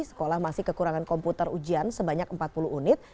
sekolah masih kekurangan komputer ujian sebanyak empat puluh unit